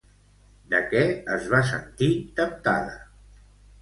De què es va sentir temptada?